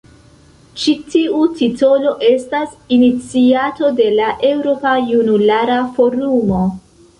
Ĉi tiu titolo estas iniciato de la Eŭropa Junulara Forumo.